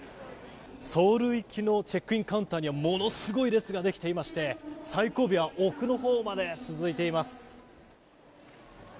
ソウル行きのチェックインカウンターにはものすごい列ができていまして最後尾は奥のほうまで続いています。